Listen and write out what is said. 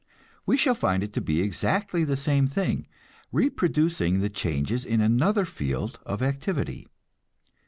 We shall find it to be exactly the same thing, reproducing the changes in another field of activity.